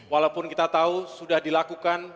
walaupun kita tahu sudah dilakukan